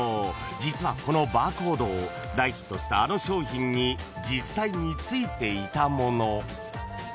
実はこのバーコード大ヒットしたあの商品に実際についていたもの］